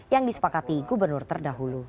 yang disepakati gubernur terdahulu